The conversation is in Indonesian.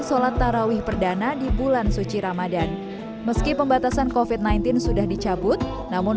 sholat tarawih perdana di bulan suci ramadhan meski pembatasan covid sembilan belas sudah dicabut namun